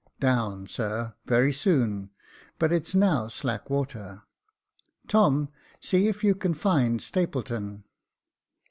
"" Down, sir, very soon j but it's now slack water. Tom, see if you can find Stapleton."